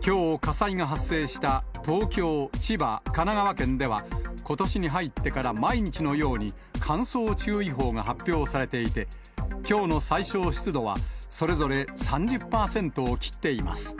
きょう、火災が発生した東京、千葉、神奈川県では、ことしに入ってから毎日のように、乾燥注意報が発表されていて、きょうの最小湿度はそれぞれ３０％を切っています。